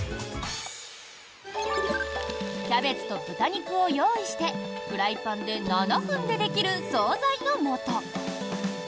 キャベツと豚肉を用意してフライパンで７分でできる総菜のもと。